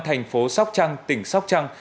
thành phố sóc trăng tỉnh sóc trăng